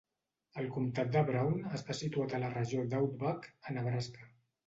El comtat de Brown està situat a la regió d'Outback a Nebraska.